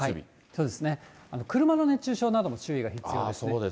そうですね、車の熱中症なども注意が必要ですね。